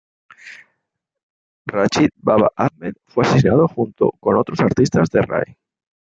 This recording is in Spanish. Rachid Baba Ahmed fue asesinado junto con otros artistas de raï.